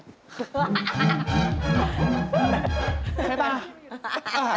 ใช่ป่ะ